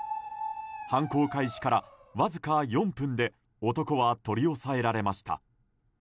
犯行開始からわずか４分で男は取り押さえられました。